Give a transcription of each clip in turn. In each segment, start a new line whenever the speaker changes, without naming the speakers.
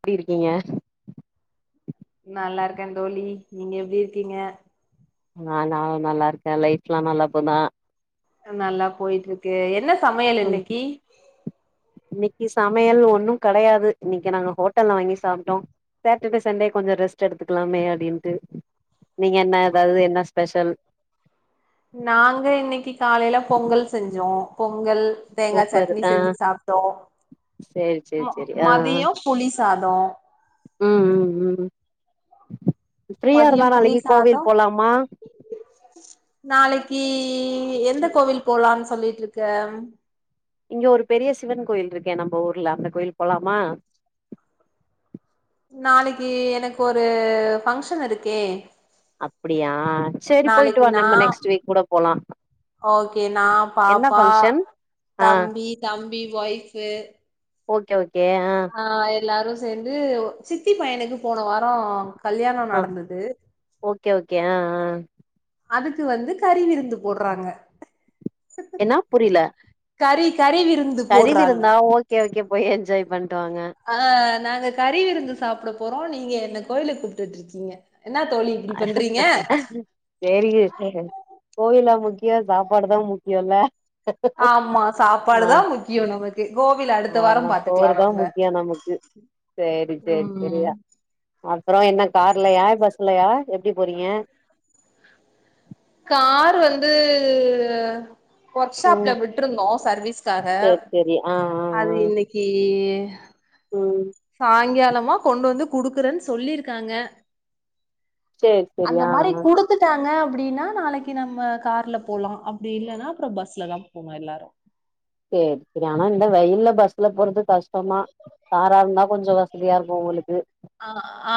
எப்டி இருக்கீங்க
நல்லா இருக்கேன் தோழி நீங்க எப்டி இருக்கீங்க
நா நா நானும் நல்லா இருக்கேன் லைஃப் எல்லாம் நல்லா போதா
நல்லா போயிட்டு இருக்கு என்ன சமையல் இன்னைக்கி
னக்கி சமையல் ஒன்னும் கெடையாது இன்னைக்கி நாங்க ஹோட்டல்ல வாங்கி சாப்ட்டோம் சாட்டர்டே சண்டே கொஞ்சம் ரெஸ்ட் எடுத்துக்கலாமே அப்டின்ட்டு நீங்க என்ன ஏதாவது என்ன ஸ்பெஷல்
நாங்க இன்னைக்கு காலேல பொங்கல் செஞ்சோம் பொங்கல் தேங்காய்
சூப்பர்
சட்னி
ஆ
செஞ்சு சாப்ட்டோம்
சேரி
ம
சேரி சேரி ஆ ஆ
மதியம் புளி சாதம்
ம் ம் ம் ஃப்ரீயா இருந்தா நாளக்கி
சாதோ
கோவில் போலாமா
நாளைக்கி எந்த கோவில் போலாம் சொல்லிட்டிருக்க
இங்க ஒரு பெரிய சிவன் கோயில் இருக்கே நம்ம ஊர்ல அந்த கோயில்க்கு போலாமா
நாளைக்கி எனக்கு ஒரு ஃபக்ஷன் இருக்கே
அப்டியா சேரி போயிட்டு
நாளைக்கு
வா நம்ம
நான்
நெக்ஸ்ட் வீக் கூட போலா
ஓகே நான்
என்ன
பாப்பா
ஃபங்க்ஷன் ஆ
தம்பி தம்பி ஒய்ஃப்பு
ஓகே ஓக் கே ஆஹ்
எல்லாரும் சேந்து சித்தி பையனுக்கு போன வாரோ கல்யாணம் நடந்தது
கே ஆஹ் ஆஹ்
அதுக்கு வந்து கறி விருந்து போட்றாங்க
என்னா புரில
கறி கறி விருந்து
கறி விருந்தா ஓகே ஓகே போய் என்ஜாய் பண்ணு
ஆஹ் நாங்க கறிவிருந்து சாப்ட போறோம் நீங்க என்ன கோயிலுக்கு கூப்ட்டுட்டு இருக்கீங்க என்னா தோழி இப்டி பண்றீங்க
சேரிங்க சேர் கோயிலா முக்கியம் சாப்பாடுதான் முக்கியம் இல்ல
ஆமா சாப்பாடு தான் முக்கியம் நமக்
ஆமா சோறு தான் முக்கியம் நமக்கு சேரி சேரி
ம்
சேரியா அப்புறம் என்ன கார்லயா பஸ் லயா எப்டி போறீங்க
கார் வந்து ஒர்க்ஷாப்ல
ம்
விட்ருந்தோம் சர்வீஸ்க்காக
சேரி சேரி ஆ ஆ
அது
ஆ
இன்னைக்கி
ம்
சாங்காலம் மா கொண்டு வந்து குடுக்குறேன்னு சொல்லிருக்காங்க
சேரி சேரி
அந்த
ஆ
மாரி
ஆ
குடுத்துட்டாங்க அப்டின்னா நாளைக்கி நம்ம கார்ல போலாம் அப்டி இல்லன்னா அப்புறம் பஸ்லதான் போனும் எல்லாரும்
செரி செரி ஆனா இந்த வெய்யில பஸ்ல போறது கஷ்டோமா காரா இருந்தா கொஞ்சோ ஃப்ரிய இருக்கு உங்களுக்கு
ஆ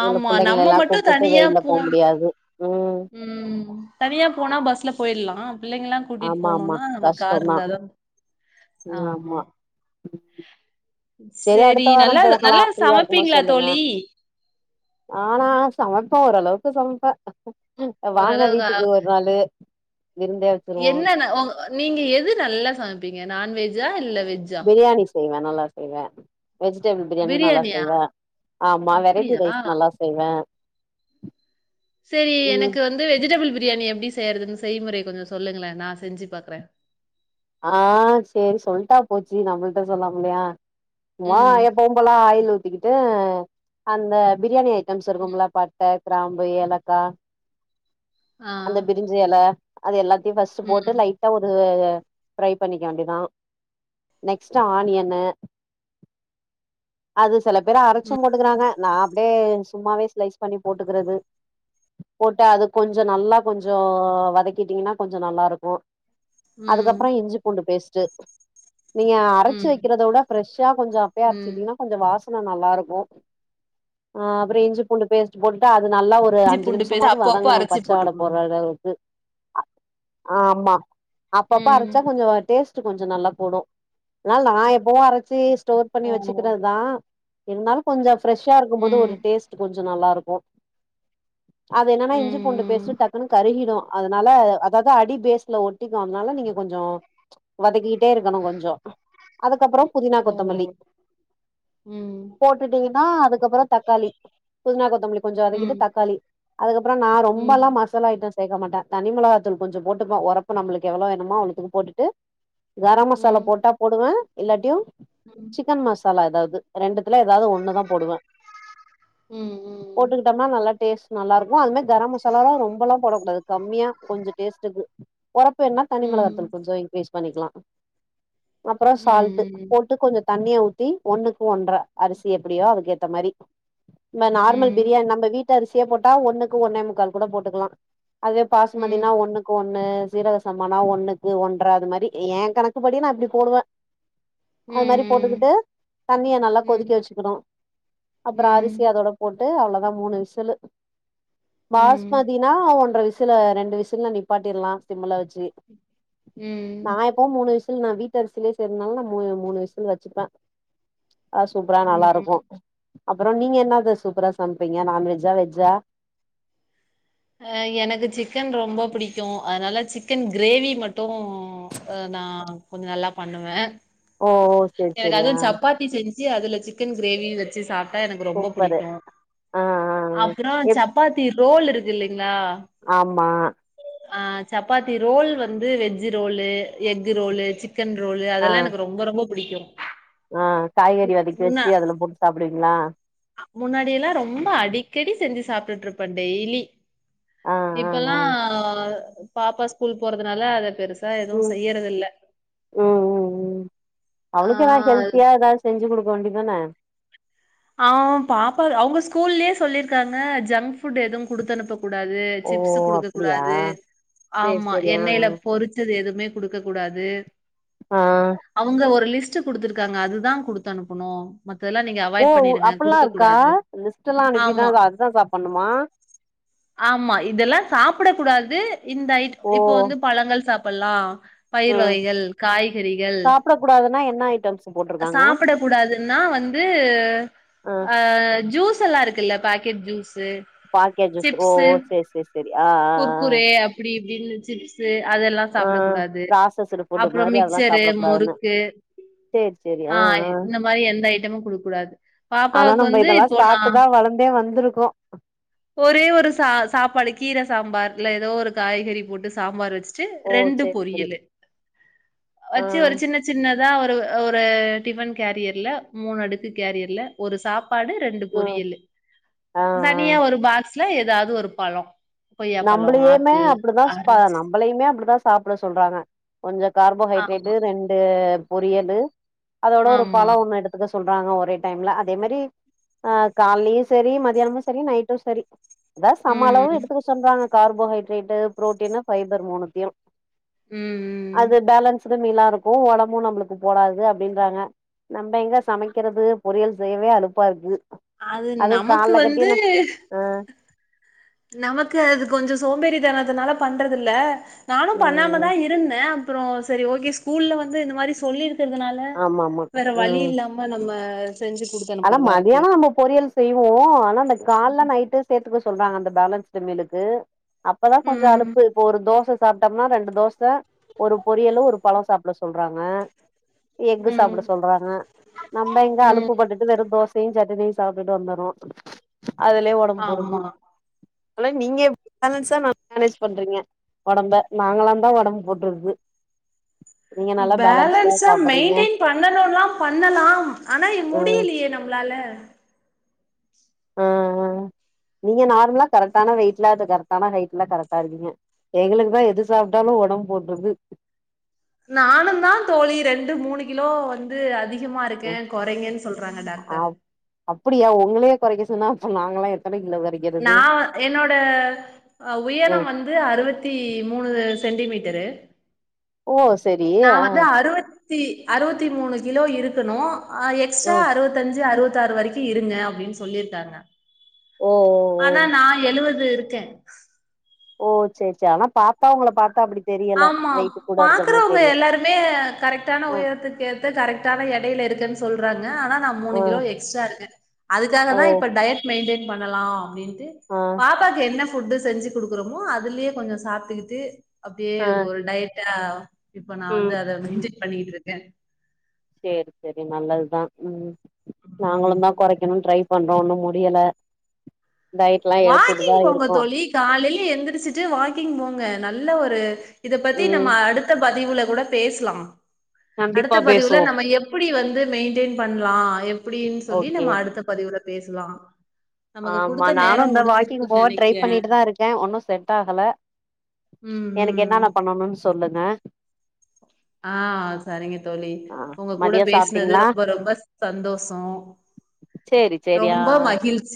இதுல
ஆமா
புள்ளைங்க
நம்ம
எல்லா கூப்ட்டு வெய்யில போ முடியாது உம்
உம் தனியா போனா பஸ்ல போய்ர்லா புள்ளைங்கெல்லா கூட்டிட்டு
ஆமா ஆமா
போனும்னா நம்ம கார்
கஷ்டந்தா
இருந்தா தா ஆமா
செரி
சேரி
அடுத்த வாரம்
நல்லா
போகலா
நல்லா
ஃப்ரீயா இருக்கமோது
சமைப்பீங்களா
சொல்லுங்க
தோழி
ஆஹ் நா சமப்ப ஓரளவுக் கு சமப்பா உம் அ வாங்க
ஓரளவுக்கு
வீட்டுக்கு ஒரு நாளு விருந்தே வச்சிருவோ
என்னன்ன ஓ நீங்க எது நல்லா சமைப்பீங்க நான்வெஜ் ஜ இல்ல வெஜ்ஜா
ப்ரியணி செய்வே நல்லா செய்வே வெஜிடபிள் ப்ரியாணி நல்லா
பிரியாணியா
செய்வே ஆமா வெரைட்டி
அப்டியா
ரைஸ் நல்லா செய்வே [inaudible]
செரி
ம்
எனக்கு வந்து வெஜிடபிள் ப்ரியாணி எப்டி செய்யறதுன்னு செய்முறைய கொஞ்சோ சொல்லுங்களே நா செஞ்சு பாக்குறே
ஆஹ் செரி சொல்ட்டா போச்சு நம்மட்ட சொல்லாம்மலியா [unintelligible]
ம்
எப்பவு போல ஆயிலு உத் திட்டு அந்த ப்ரியாணி ஐ டம்ஸ் இருக்கும்லா பட்ட கிராம்பு ஏலக்கா
ஆ
அந்த ப்ரிஞ்சி எல அது எல்லாத் தி ஃபஸ்ட் போட்டு
ம்
லைட்டா ஒரு [inaudible] ஃப்ரை பண்ணிக்க வேண்டியதா நெக்ஸ்டு ஆனியன்னு அது செல பேரு அரைச் சி போட்டுக்கறாங்க நா அப்டியே சும்மாவே ஸ்லைஸ் பண்ணி போட்டுக்கிறது போட்டு அது கொஞ்சோ நல்லா கொஞ்சோ வதக்கிட்டீங்கன்னா கொஞ்சோ நல்லா இருக்கு
உம்
அதுக்கப்புறோ இஞ்சி பூண்டு பேஸ்ட்டு நீங்க அரைச்சு
ம்
வைக்கிறத விட ஃப்ரஷா கொஞ்சோ அப்பயே
ம்
அரைச்சுட்டீங்கன்னா கொஞ்சோ வாச நல்லா இருக்கு ஆஹ் அப்றம் இஞ்சி பூண்டு பேஸ்ட் போட்டுட்டு அ து நல்லா ஒரு
இஞ்சி
அஞ்சு
பூண்டு பேஸ்ட்
நிமிஷமாவது
அப்போ அப்போ
வதங்கணு
அரைச்சி
பச்ச வாட போற
போட்டுக்கணும்
அளவுக்கு ஆஹ் ஆமா அப்பப்ப அரச்
ம்
சா கொஞ்சோமா டேஸ்ட் டு கொஞ்சோ நல்லா கூடும் னால் நா எப்பவும் அரச்சி ஸ் ஸ்டோர் பண்ணி
ஓ
வெச்சுக்குறது தா இருந்தாலும் கொஞ்சப் பிரஷா இருக்கும்போது ஒரு
ம்
டேஸ்ட் கொஞ்ச து நல்லா இருக்கும் அது என்னன்னா இஞ்சி பூண்டு பேஸ்ட்
ம் ம்
டக்குன்னு கருகிடும் அதுனால அதாவது அடி பேஸ்ல ஒட்டிக்கு அதுனால நீங்க கொஞ்சோ வதக்கிட்டே இருக்கணும் கொஞ்சோ அதுக்கப்புறம் புதினா
ஓ
கொத்தமல்லி
ம்
போட்டுட்டீங்கன்னா அதுக்கப்புறம் தக்காளி புதினா கொத்தமல்லி கொஞ்சோ வதக்கிட்டு
ம்
தக்காளி அதுக்கப் ப்றோ நா ரொம்பல்லா
ம்
மசாலா ஐட்டஸ் சேக்க மாட்ட தனி மிளகா தூள் கொஞ்சம் போட்டுக்குவோ ஒறப்பு நம்புளுக்கு எவ்வளோ வேணுமா அவுளுக் இது போட்டுட்டு கர மசாலா
ம்
போட்டா போடுவே இல்லாட்யு சிக்கன் மசாலா அதாவ்து ரெண்டு துல ஏதாவ்து ஒன்னு தா போடுவ
ம் ம்
போட்டுக்குட்டம்னா நல்லா டேஸ் நல்லாருக்கு அது மரி கரம் மசாலால்லா ரொம்பல்லா போடக்கூடாது கம்மியா கொஞ்ச டேஸ்ட்டுக்கு ஒரப்பு வேன்னா
ம்
தனி
ம்
மிளகாத்தூள் இபேஸ் பண்ணிக்லா அப்பற
ம்
சால்ட்டு
ம்
போட்டு கொஞ்சொ தண்ணியா ஊத்தி ஒன்னுக்கு ஒன்ற அரிசி எப்புடியோ அதுக்கேத்த மாரி ந நார்மல்
ம்
பிரியாணி நம்ப வீட் அரிசிய போட்டா ஒன்னுக்கு ஒன்னே முக்கால் கூட போட்டுக்குலா அதே
ம்
பாசுமதினா ஒன்னுக்கு ஒன்னு சீரக சம்பாணா ஒன்னு இ ஒன்ற அது மாரி ஏ கணக்கு படி நா அப்டி போடுவ அது மாரி போட்டுக்குட்டு
ம்
தண்ணிய நல்லா கொதிக்க வச்சிக்குணு அப்புற அரிசி
ம்
அதோட போட்டு அவ்ளோ ஆ மூணு விசிலு பாஸ்மதினா ஒன்ற விஸ் சில ரெண்டு விசில்ல நீப்பாட்டிர்லா சிம்முல வச்சு சி
உம்ம்
விசுல் நா வீட்டுரிசியிலயே செய்றதுனால நா மூணு விசுல் வச்சுப்பேன் அது சூப்பரா
ம்
நல்லா
ம்
இருக்கும் அப்றோ நீங்க என்னது சூப்பரா சமைப்பீங்க நான்வெஜ்ஜா வெஜ்ஜா
அஹ் எனக்கு சிக்கன் ரொம்ப பிடிக்கியு அதனால சிக்கன் கிரேவி மட்டூ நா கொஞ்சம் நல்லா பண்ணுவே
ஓ செரி செரியா
ஞ்சு அதுல சிக்கன் கிரேவி வச்சு சாப் டா எனக்கு ரொம்ப
சூப்பரு
பிடிக்குயு
ஆ ஆ ஆ
அப்புறோ சப்பாத்தி இரு ரோல் இருக்ல்லைங்
ஆம்மா
ஆஹ சப்பாத்தி ரோல் வந்து veg roll egg roll chicken roll அதெல்லாம் எனக்கு ரொம்ப ரொம்பப் பிடிக்கும்
ஆஹ் காய்கறி வதக்கி வச்சு அதுல போட்டு சாப் அப்டிங்களா
முன்னாடியெல்லா ரொம்ப அடிக்கடி செஞ்சு சாப்பிட்டுட்டு இருப்பேன் டெய்லி
ஆ ஆ
இப்பல்லா
ஆ
பாப்பா ஸ்கூல் போறதுனால அத பெர்சு
உம் உம் உம் உம்
ஆ
அவளுக்கு ஏதா ஹெல்த்தியா ஏதாவது செஞ்சு கொடு கொண்டி தானா
ஆவ் பாப்பா அவுங்க ஸ்கூல்லயே சொல்லிருக்காங்க ஜங்க் புட் எதுவும் குடுத்தன்னப்ப கூடாது
ஓ
சிப்ஸ் குடுக்க
அப்டியா
கூடாது
சேரி
ஆமா
சேரி ஆ
எண்ணையில பொறிச்சது எதுவுமே குடுக்க கூடாது
ஆ ஆ
அவ்ங்க ஒரு லிஸ்ட் லிஸ்ட் குடுத்துருக்காங்க அதுதான் குடுத்து அனுப்பனு மத்தல்ல நீங்க
ஓ
அவாய்ட் பண்ணடுங்க
அப்பல்லா இருக்கா
குடுக்கக்கூடாது
லிஸ்ட் எல்லா அனுப்பிதா
ஆமா
அதுதா சாப்பண்ணுமா
ஆமா இதெல்லாம் சாப்புடக்க கூடாது இந்த
ஓ
இப்ப வந்து பழங்கள் சாப்ப இப்பலா பயிர்
ம்
வகைகள் காய்கறிகள்
சாப்ட கூடாதுன்னா என்ன ஐட்டம்ஸ் போட்ருக்காங்க
சாப்பிடக்க கூடாதுன்னா வந்து
ஆ
அஹ ஜூஸ் எல்லாம் இருக்குல்ல பாக்கெட் ஜூஸ் து
பாக்கெட் ஜூஸ் ஓ
ஜிப்ஸூ
ஓ சேரி சேரி சேரி ஆ ஆ
குர் குரே அப்படிப்படனு ஜிப்ஸூ அதெல்லாம்
ஆ ஆ
சாப்புடக்க கூடாது
ப்ராசஸ்டு ஃபுட்
அப்புறோ
மாரி அதெல்லா
மிக்சரு
சாப்ட கூடாதுன்னு
முறுக்கு
சேரி சேரி ஆ
ஹ
ஆ
இந்த மாரி எந்த ஐடம்மு கூடாது
ஆனா
பாப்பாவுக்கு
நம்ம
வந்து
இதெல்லா
இப்போ நா
சாப்ட்டுதா வளந்தே வந்திருக்கோ
ஒரே ஒரு ச சாப்பாடுக்கு கீர சாம்பார் இல்ல ஏதோ ஒரு காய்கறி போட்டு சாம்பார் வெச்சு ச்சு
ஓ
ரெண்டு
சேரி சேரி
பொரியலு
ஆ
வெச்சு ஒரு சின்ன சின்ன அதா ஒரு ஒரு டிபன் கேரியர்ல மூணு அடுக்கு கேரியர்ல ஒரு சாப் பாடு ரெண்டு
ம்
பொறரியலு
ஆ ஆ
தனியா ஒரு பாக்ஸ் ல ஏதாவது ஒரு பழோ
நம்மளயுமே அப்டிதா சா நம்மளையுமே அப்டிதா சா சாப்புட சொல்றாங்க கொஞ்சோ கார்போஹைட்ரேட்டு
ஆமா,
ரெண்டு பொறியலு அதோட ஒரு
ஆமா.
பழோ ஒன்னு எடுத்துக்க சொ சொல்றாங்க ஒரே டைம்ல அதே மாரி ஆஹ் கால்லையு செரி மதியியானமும் செரி நைட்டு செரி அதான்
ம்.
சமளவு எடு சொல்றாங்க கார்போஹைட்ரேட்டு பு்ரோட்டீனு ஃபைபர் மூணுத்தையு
ம், ம்.
அது பேலன்ஸ் துமிலா இருக்கும் உடமும் நம்மளுக்கு போடாது அப்டின்றாங்க நம்ம எங்க சமைக்கிறது பொறியல் செய்யவே அலுப்பா இருக்கு
அது
அதுவு
நமக்கு
கால்ல
வந்து
கட்டின ஆ
நமக்கு அது கொஞ்சோ சோம்பேறி தானதுனால பண்றது இல்ல நானு
ம்
பண்ணாமதா இருந்தே அப்புறோ சேரி ஓகே ஸ்கூல்ல வந்து இந்த மாரி சொல்லிருக் க்கிறதுனால
ஆமா ஆமா
வேற வழி
ம்
இல்லாம நம்மா
ஆனா மதியானோ நம்ம பொரியல் செய்வோ ஆனா அந்த கால்ல நைட்டு சேத்துக்க சொ சொல்றாங்க அந்த பேலன்ஸ்டு மலுக்கு அப்பதா கொஞ்சோ
ம்
அலுப்பு இப்போ ஒரு தோச சாப்பிட்டோம்னா ரெண்டு தோச ஒரு பொரியலு ஒரு பழோ சாப்புட சொல்றாங்க எஃகு
ம்
சாப்புட சொல்றாங்க நம்ம எங்க
ம்
அலுப்புப்பட்டு தோசையு சட்னியு சாப்ட்டே வந்துட்ரோ அதுலயே உடம்பு போடுது
ஆமா
அதன நீங்க பேலன்ஸா மேனேஜ் பண்றீங்க உடம்ப நாங்களா தா ஒடம்பு போட்டுட்து
பேலன்ஸ மெயின்டென் பண்ணனுன்னா பண்ணல ஆனா
ஆ
முடியிலையே நம்ம நம்மளால
ஆஹ் நீங்க நார்மலா கரெக்டான வெயிட்ல கரெக்டான ஹைட்லா கரெக்டா இருக்கீங்க எங்களுக்குதா எது சாப்டாலு ஒடம்பு போற்றுது
நானு தா தோழி ரெண்டு மூணு கிலோ வந்து அதிக அதிகமா இருக்கே
ம்
கொறைங்கன்னு சொல்றாங்க டாக்டர்
ப்டியா உங்களயே கொறைக்க சொன்னா அப்போ நாங்களா எத்தன கிலோ கொறைக்கிறது
நா என்னோட அ உயரம் வந்து அறுவத்தி மூணு சென்டிமீட்டரு
ஓ சரிே ஆ
த்தி அறுவத்தி மூணு கிலோ இருக்கணு அ
ஆ
எக்ஸ்ட்ரா அறுவத்தஞ்சு அறுவத் தாறு வரைக்கு இருங்க அப்டின்னு சொல்லிட்டாங்க
ஓ ஓ
அனா நா எழுவது இருக்கே
ஓ சேர் சே ஆனா பாத்
ஆமா
இருக்கற மாரி
பாக்குறவங்க
தெரியு
எல்லாருமே கரெக்டான
ஆ
உயரத்துக்கு ஏத்து கரெக்டான எடையில இருக்கன் இருக்குன்னு சொல்றாங் க ஆனா நா
ஆ
மூணு கிலோ எக்ஸ்ட்ரா இருக்கே அதுக்காக
ஓ
தா இப்ப டயட் மெயின்டெயின் பண்ணலா அப்டின்னு
ஆ
பாப்பாக்கு என்ன ஃபுட்டு செஞ்சு கொடுக்குறோமோ அதுலயே கொஞ்சோ சாப்ட்டுக்குட் டு அப்டியே
ஆ
ஒரு டயட்டா இப்ப நா
ம்
வந்து அத மெயின் பண்ணிட்டு இருக் கே
சேரி செரி நல்லதுதா உம் நாங்களு தா
ம்
கொறைக்கணுனு ட்ரை பண்ணோ ஒன்னு முடியல டயட்லா எடுத்துட்டுதா
வாக்கிங் போங்க
இருக்கோ
தோழி காலையில எந்திரிச்சுட்டு வாக்கிங் போங்க நல்ல ஒரு இத பத்தி
ம்
நம்ம அடுத்த பதிவுல கூட பேச்லா
கண்டிப்பா
அடுத்த பதிவுல
பேசுவோ
நம்ம எப்டி வந்து மெயின்டெயன் பண்லா எப்டின்னு சொல்லி
ஓகே
நம்ம அடுத்த பதிவுல பேசலா நமக்கு குடுத்த நேர்
னு இந்த வாக்கிங் போக ட்ரை பண்ணிட்டு தா இருக்கே ஒன்னொ செட் ஆகல
ம்
எனக்கு
ம்
என்னன்ன பண்ணணோனு சொல்லுங்க
ஆஹ் சரிங்க தோழி
ஆ
உங்க கூட
மதியோ
பேசுனது
சாப்ட்டீங்களா
ரொம்ப ரொம்ப சந்தோஷொ ரொம்பொ மகிழ்ச்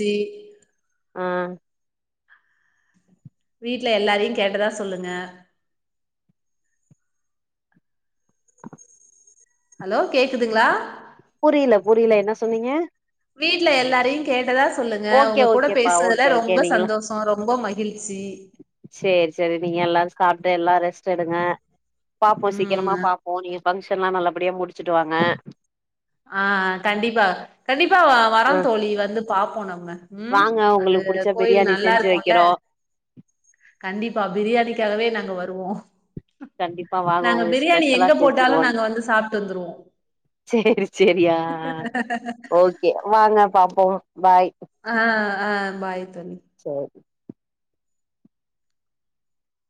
ஆஹ்
வீட்டுல எல்லாரையு கேட்டதா சொல்லுங்க ஹலோ கேக்குதுங்களா
புரியல புரியல என்ன சொன்னீங்க
வீட்ல எல்லாரையு கேட்டதா சொல்லுங்க
ஓகே
உங்க கூட
ஓகேப்பா
பேசுனதுல
ஓகே ஒகே
ரொம்ப
நீங்கெல்லா
சந்தோஷோ ரொம்ப மகிழ்ச்சி
செரி செரி நீங்க எல்லாரு சாப்புட்டு எல்லாரு ரெஸ் ச்சடுங்க பாப்போ சீக்கிரமா
ம்
பாப்போ நீ ஃபங்க்ஷன்லா நல்லபடியா முடிச்சுட்டுவாங்க ப
ஆஹ் கண்டிப்பா கண்டிப்பா வ வரோ
ஆ
தோழி வந்து பாப்போ நம்ம ஹம்
வாங்க
அந்த
உங்களுக்கு புடிச்ச
கோயில்
பிரியாணி
நல்லா
செஞ்சு
இருக்கும்ல
வைக்கிறோ
கண்டிப்பா பிரியாணி கேலவே நாங்க வருவோ
கண்டிப்பா வாங்க
நாங்க
உங்களுக்கு
பிரியாணி
ஸ்பெஷலா
எங்க போட்டாலு
செஞ்சிருவோன்
நாங்க வந்து சாப்பிட்டு வந்துருவோ
செரி செரியா ஓகே வாங்க பாப்போ பாய்
ஆஹ் ஆஹ் பாய் தனி
சேரி